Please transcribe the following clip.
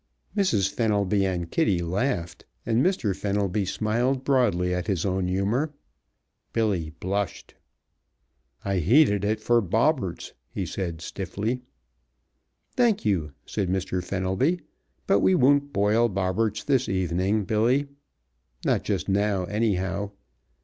Mrs. Fenelby and Kitty laughed, and Mr. Fenelby smiled broadly at his own humor. Billy blushed. "I heated it for Bobberts," he said, stiffly. "Thank you!" said Mr. Fenelby. "But we won't boil Bobberts this evening, Billy. Not just now, anyhow.